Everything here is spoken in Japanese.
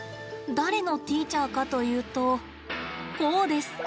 誰のティーチャーかというとこうです。